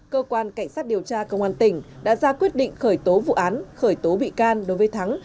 cơ quan cảnh sát điều tra công an tỉnh đã ra quyết định khởi tố vụ án khởi tố bị can đối với thắng